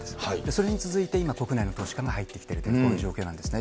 それに続いて今、国内の投資家が入ってきてるという、こういう状況なんですね。